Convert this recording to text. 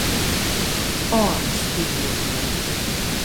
Ofspylje.